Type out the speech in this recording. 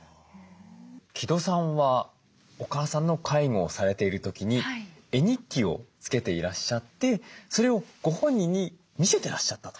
城戸さんはおかあさんの介護をされている時に絵日記をつけていらっしゃってそれをご本人に見せてらっしゃったと。